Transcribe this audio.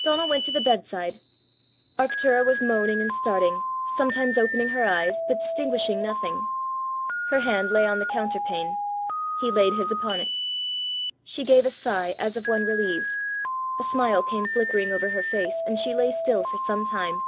Donal went to the bedside. Arctura was moaning and starting, sometimes opening her eyes, but distinguishing nothing. Her hand lay on the counterpane: he laid his upon it. She gave a sigh as of one relieved; a smile came flickering over her face, and she lay still for some time.